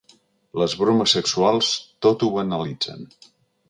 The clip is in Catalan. Les bromes sexuals tot ho banalitzen.